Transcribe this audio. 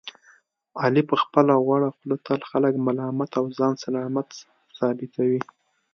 علي په خپله غوړه خوله تل خلک ملامت او ځان سلامت ثابتوي.